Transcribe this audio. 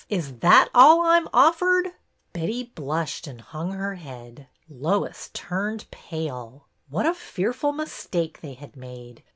Is that all I'm offered?" Betty blushed and hung her head. Lois turned pale. What a fearful mistake they had made!